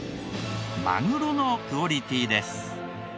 マグロのクオリティーです。